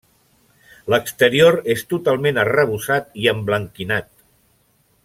L'exterior és totalment arrebossat i emblanquinat.